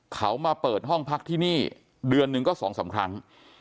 เขามาเปิดห้องพักที่นี่เดือนหนึ่งก็๒๓ครั้ง